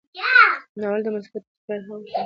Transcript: ناول د مثبت تفکر الهام ورکوي.